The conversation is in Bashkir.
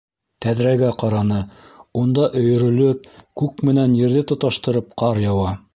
Тәҙрәгә ҡараны - унда өйөрөлөп, күк менән ерҙе тоташтырып, ҡар яуа.